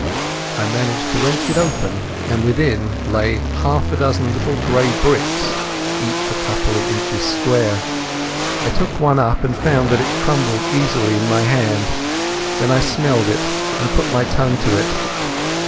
I managed to wrench it open, and within lay half a dozen little grey bricks, each a couple of inches square. I took up one, and found that it crumbled easily in my hand. Then I smelt it and put my tongue to it.